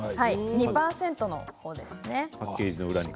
２％のほうですね。